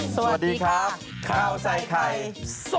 สวัสดีครับข้าวใส่ไข่สด